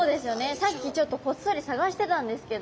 さっきちょっとこっそり探してたんですけど。